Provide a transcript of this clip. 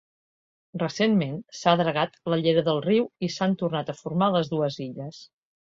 Recentment s'ha dragat la llera del riu i s'han tornat a formar les dues illes.